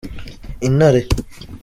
intare.